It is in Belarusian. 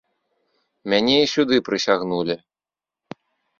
Мяне і сюды прысягнулі.